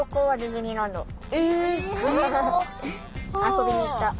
遊びに行った。